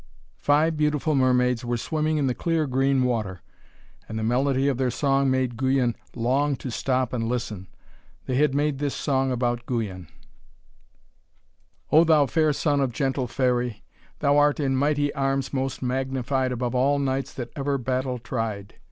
Five beautiful mermaids were swimming in the clear green water, and the melody of their song made Guyon long to stop and listen. They had made this song about Guyon: 'O thou fair son of gentle fairy, Thou art in mighty arms most magnified Above all knights that ever battle tried.